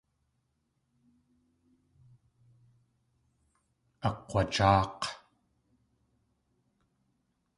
Akg̲wajáak̲.